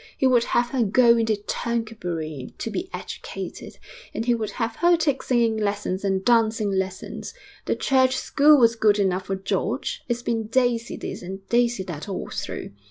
He would have her go into Tercanbury to be educated, and he would have her take singing lessons and dancing lessons. The Church school was good enough for George. It's been Daisy this and Daisy that all through.